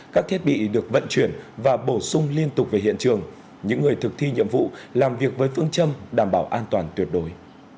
các thiết bị được vận chuyển và bổ sung liên tục về hiện trường những người thực thi nhiệm vụ làm việc với phương châm đảm bảo an toàn tuyệt đối